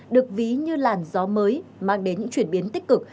được ví như làn gió mới mang đến những chuyển biến tích cực